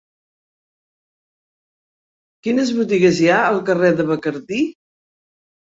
Quines botigues hi ha al carrer de Bacardí?